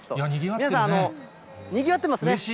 皆さん、にぎわってますね。